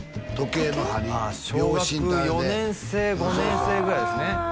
時計の針小学４年生５年生ぐらいですね